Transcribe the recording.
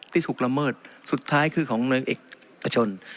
ที่ถูกละเมิดสุดท้ายคือของเมืองเอกชน